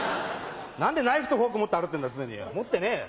何でナイフとフォーク持って歩いてんだ常に持ってねえよ。